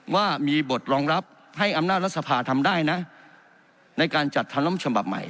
ว่ามีบทรองรับให้อำนาจรัฐสภาทำได้นะในการจัดทะล่มฉบับใหม่